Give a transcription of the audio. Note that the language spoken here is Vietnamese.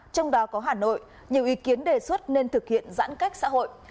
trong đó có hà nội nhiều ý kiến đề xuất nên thực hiện giãn cách xã hội